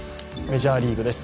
メジャーリーグです。